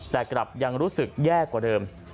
แต่กลับยังรู้สึกแย่กว่าเดิม